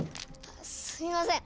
すみません